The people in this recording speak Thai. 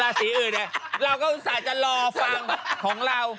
ลาศรีอื่นไงเราก็อุตส่ายจะลอฟังของเรา